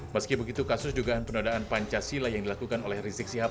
meski begitu kasus dugaan penodaan pancasila yang dilakukan oleh rizik sihab